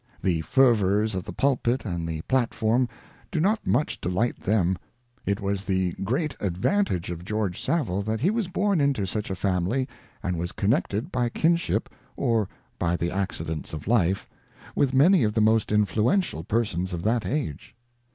The fervours of the pulpit and the platform do not much delight them. It was the great advantage of George Savile that he was born into such a family, and was connected by kinship, or by the accidents of life, with many of the most influential persons of that age.